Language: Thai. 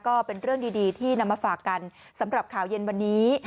ก็เป็นเรื่องดีที่นำมาฝากกันสำหรับข่าวเย็นวันนี้